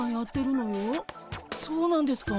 そうなんですか。